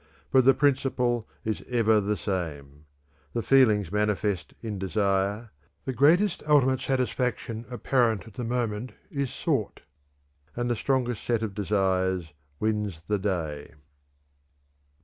But the principle is ever the same the feelings manifest in desire, the greatest ultimate satisfaction apparent at the moment is sought, and the strongest set of desires wins the day.